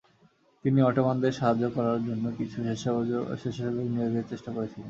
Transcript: তিনি অটোমানদের সাহায্য করার জন্য কিছু স্বেচ্ছাসেবক নিয়োগের চেষ্টা করেছিলেন।